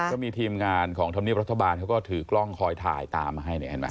ก็มีทีมงานของธรรมเนียบรัฐบาลเขาก็ถือกล้องคอยถ่ายตามมาให้เนี่ยเห็นไหม